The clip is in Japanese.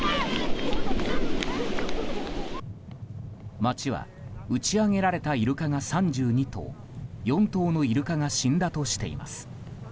町は、打ち揚げられたイルカが３２頭４頭のイルカが死んだとしています。